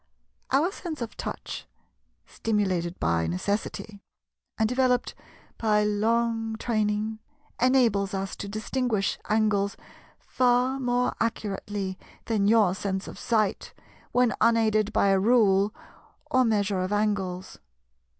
Our sense of touch, stimulated by necessity, and developed by long training, enables us to distinguish angles far more accurately than your sense of sight, when unaided by a rule or measure of angles.